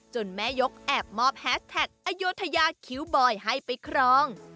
แม่ยกแอบมอบแฮสแท็กอโยธยาคิ้วบอยให้ไปครอง